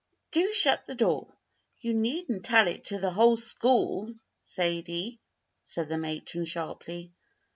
do shut the door. You needn't tell it to the whole school, Sadie," said the matron, sharply.